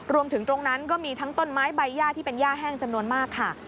ตรงนั้นก็มีทั้งต้นไม้ใบย่าที่เป็นย่าแห้งจำนวนมากค่ะ